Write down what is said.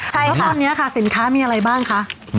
แล้วตอนนี้ค่ะสินค้ามีอะไรบ้างคะ